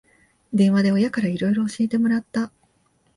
電話で親からいろいろ教えてもらった